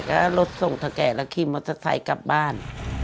ก็รถส่งเท่าแก่แล้วขี่มอเตอร์ไซค์กลับบ้าน